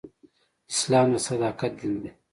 اسلام د صداقت دین دی.